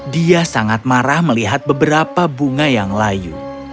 dia sangat marah melihat beberapa bunga yang layu